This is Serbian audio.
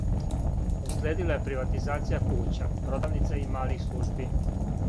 Уследила је приватизација кућа, продавница и малих служби.